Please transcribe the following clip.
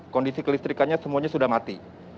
kondisi kelistrikannya semuanya sudah mati